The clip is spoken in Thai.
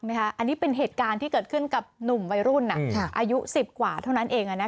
อันนี้เป็นเหตุการณ์ที่เกิดขึ้นกับหนุ่มวัยรุ่นอายุ๑๐กว่าเท่านั้นเอง